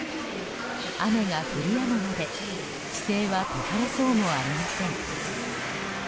雨が降りやむまで規制は解かれそうもありません。